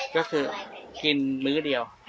ค่ะมื้อเดียว